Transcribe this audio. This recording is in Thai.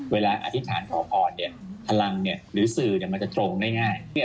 อธิษฐานขอพรเนี่ยพลังหรือสื่อมันจะตรงได้ง่าย